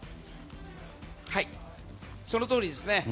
そのとおりですね。